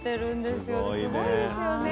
すごいですよね。